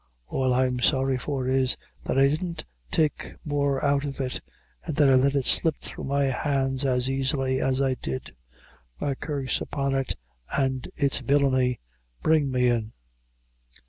All I'm sorry for is, that I didn't take more out of it, and that I let it slip through my hands so asily as I did. My curse upon it and its villany! Bring me in."